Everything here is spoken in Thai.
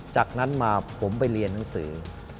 จากนั้นมาผมไปเรียนหนังสือ